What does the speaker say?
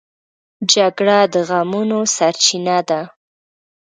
جګړه د غمونو سرچینه ده